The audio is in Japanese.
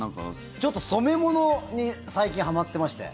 ちょっと染め物に最近はまってまして。